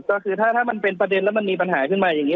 ก็คือถ้ามันเป็นประเด็นแล้วมันมีปัญหาขึ้นมาอย่างนี้